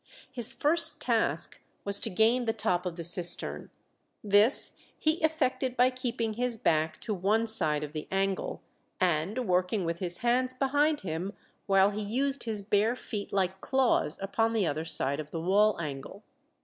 His first task was to gain the top of the cistern; this he effected by keeping his back to one side of the angle, and working with his hands behind him, while he used his bare feet like claws upon the other side of the wall angle.